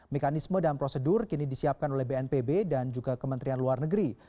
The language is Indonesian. mekanisme dan prosedur kini disiapkan oleh bnpb dan juga kementerian luar negeri